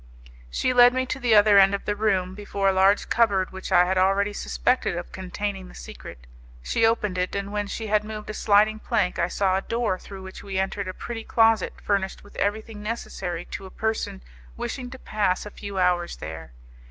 She led me to the other end of the room, before a large cupboard which I had already suspected of containing the secret. She opened it, and when she had moved a sliding plank I saw a door through which we entered a pretty closet furnished with everything necessary to a person wishing to pass a few hours there.